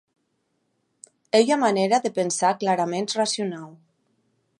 Ei ua manèra de pensar claraments racionau.